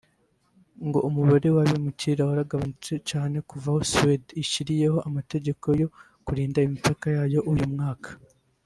ngo umubare w’abimukira waragabanutse cyane kuva aho Suède ishyiriyeho amategeko yo kurinda imipaka yayo uyu mwaka